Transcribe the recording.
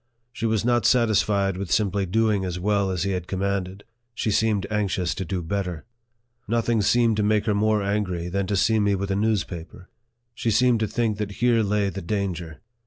She was not satisfied with simply doing as well as he had commanded ; she seemed anxious to do better. Nothing seemed to make her more angry than to see me with a news paper. She seemed to think that here lay the danger.